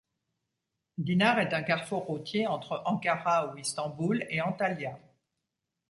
Dinar est un carrefour routier entre Ankara ou Istanboul, et Antalya.